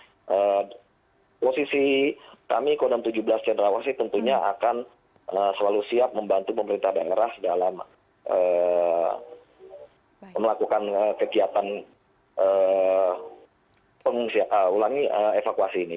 jadi posisi kami kodam tujuh belas cenderawasi tentunya akan selalu siap membantu pemerintah daerah dalam melakukan kegiatan pengulangan evakuasi ini